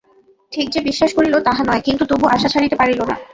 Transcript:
ঠিক যে বিশ্বাস করিল তাহা নয় কিন্তু তবু আশা ছাড়িতে পারিল না।